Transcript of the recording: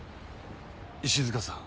石塚さん。